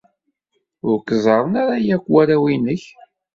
Ur k-ẓerren ara akk warraw-nnek.